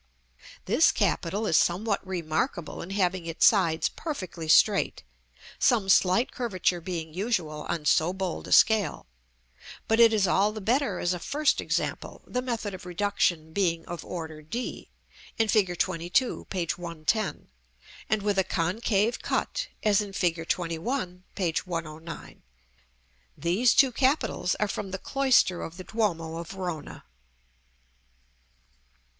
This capital is somewhat remarkable in having its sides perfectly straight, some slight curvature being usual on so bold a scale; but it is all the better as a first example, the method of reduction being of order d, in Fig. XXII., p. 110, and with a concave cut, as in Fig. XXI., p. 109. These two capitals are from the cloister of the duomo of Verona.